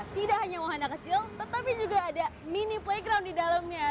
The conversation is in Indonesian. tidak hanya wahana kecil tetapi juga ada mini playground di dalamnya